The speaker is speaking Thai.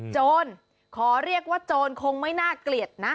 โจรขอเรียกว่าโจรคงไม่น่าเกลียดนะ